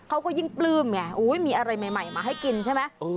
เขาก็ยิ่งปลื้มไงมีอะไรใหม่มาให้กินใช่ไหม